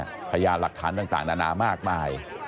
พยานหลักฐานต่างนานามากมาย